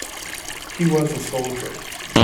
He was a soldier.